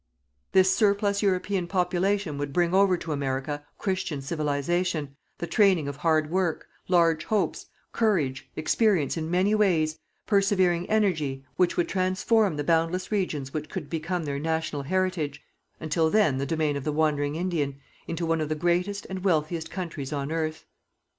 This surplus European population would bring over to America Christian Civilization, the training of hard work, large hopes, courage, experience in many ways, persevering energy, which would transform the boundless regions which could become their national heritage until then the domain of the wandering Indian into one of the greatest and wealthiest countries on earth.